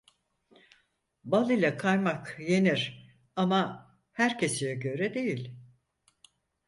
Bal ile kaymak yenir ama her keseye göre değil.